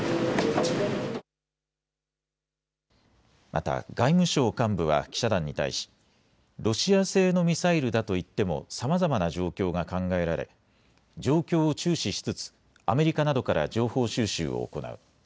また外務省幹部は記者団に対しロシア製のミサイルだといってもさまざまな状況が考えられ状況を注視しつつアメリカなどから情報収集を行う。